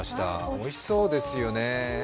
おいしそうですよね。